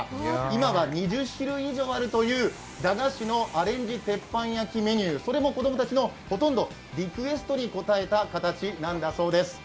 今は２０種類以上あるという駄菓子のアレンジ鉄板焼きメニュー、それも子供たちのほとんど、リクエストに応えた形なんだそうです。